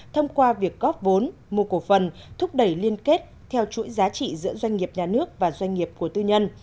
thông qua việc góp vốn mua cổ phần thúc đẩy liên kết theo chuỗi giá trị giữa doanh nghiệp nhà nước và doanh nghiệp của tư nhân